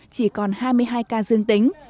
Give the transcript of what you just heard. chỉ còn hai mươi hai ca dương tính